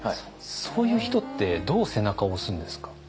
そういう人ってどう背中を押すんですか？